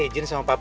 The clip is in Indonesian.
ya udah angkat aja